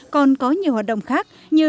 còn có nhiều hoạt động khác như